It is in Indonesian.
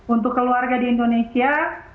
untuk keluarga di indonesia